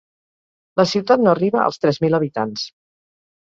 La ciutat no arriba als tres mil habitants.